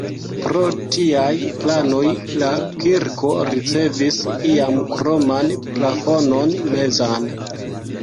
Pro tiaj planoj la kirko ricevis iam kroman plafonon mezan.